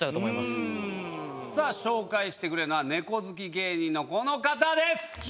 紹介してくれるのはネコ好き芸人のこの方です！